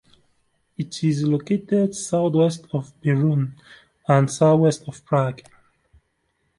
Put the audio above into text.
It is located southwest of Beroun and southwest of Prague.